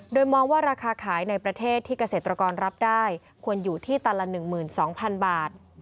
โดยมองว่าราคาขายในประเทศที่เกษตรกรรับได้ควรอยู่ที่ตันละ๑๒๐๐๐บาท